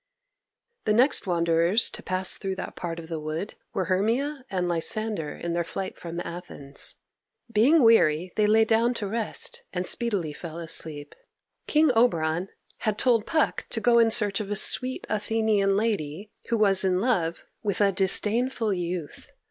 The next wanderers to pass through that part of the wood were Hermia and Lysander in their flight from Athens. Being weary, they lay down to rest, and speedily fell asleep. King Oberon had told Puck to go in search of a sweet Athenian lady who was in love with a disdainful youth.